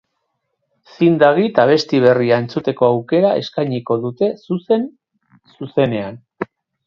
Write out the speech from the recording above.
Zin dagit abesti berria entzuteko aukera eskainiko dute zuzen-zuzenean.